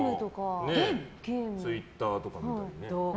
ツイッターとか見たりね。